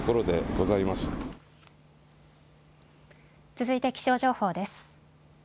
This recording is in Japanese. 続いて気象情報です。